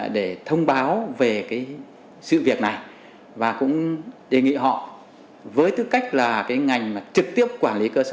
để thông báo về sự việc này và cũng đề nghị họ với tư cách là ngành trực tiếp quản lý cơ sở